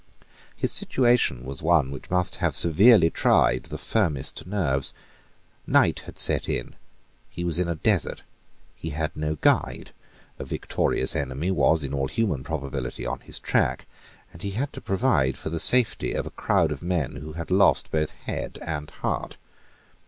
His situation was one which must have severely tried the firmest nerves. Night had set in: he was in a desert: he had no guide: a victorious enemy was, in all human probability, on his track; and he had to provide for the safety of a crowd of men who had lost both head and heart.